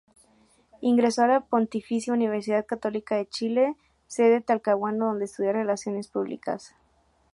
Ingresó a la Pontificia Universidad Católica de Chile, Sede Talcahuano, donde estudió Relaciones Públicas.